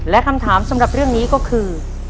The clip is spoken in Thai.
และคำถามสำหรับเรื่องนี้ก็คือ